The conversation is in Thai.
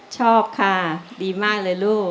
ชอบค่ะดีมากเลยลูก